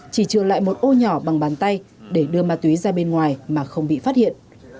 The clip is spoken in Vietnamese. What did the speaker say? chỉ chừa lại một ô nhỏ bằng bàn tay để đưa ma túy ra bên ngoài mà không bị phát hiện